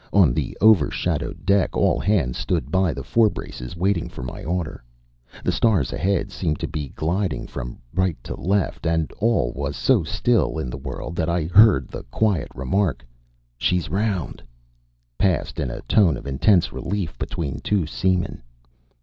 On the over shadowed deck all hands stood by the forebraces waiting for my order. The stars ahead seemed to be gliding from right to left. And all was so still in the world that I heard the quiet remark, "She's round," passed in a tone of intense relief between two seamen.